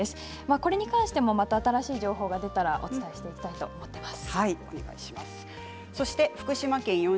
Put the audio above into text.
これに関して新しい情報が出たらまたお伝えしたいと思います。